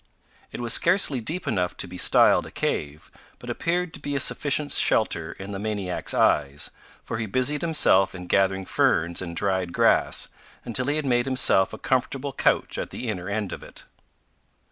It was scarcely deep enough to be styled a cave, but appeared to be a sufficient shelter in the maniac's eyes, for he busied himself in gathering ferns and dried grass, until he had made himself a comfortable couch at the inner end of it.